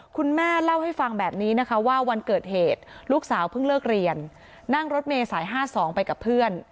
คุณแม่เล่าให้ฟังแบบนี้นะคะว่าวันเกิดเหตุลูกสาวเพิ่งเลิกเรียนนั่งรถเมย์สาย๕๒ไปกับเพื่อน